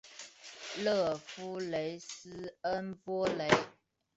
勒夫雷斯恩波雷。